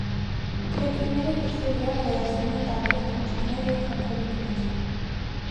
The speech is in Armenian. Փետուրները գլխի վրա գոյացնում են տարբեր փնջիկներ և փոմփոլիկներ։